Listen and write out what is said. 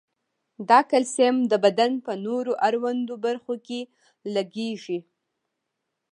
دا کلسیم د بدن په نورو اړوندو برخو کې لګیږي.